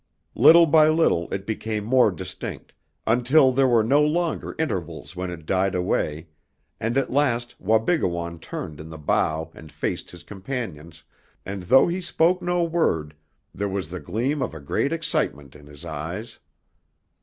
Little by little it became more distinct, until there were no longer intervals when it died away, and at last Wabigoon turned in the bow and faced his companions, and though he spoke no word there was the gleam of a great excitement in his eyes.